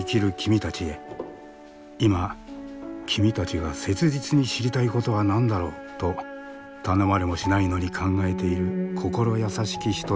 「今君たちが切実に知りたいことは何だろう？」と頼まれもしないのに考えている心優しき人たちがいる。